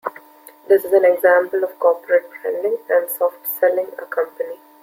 This is an example of corporate branding, and soft selling a company.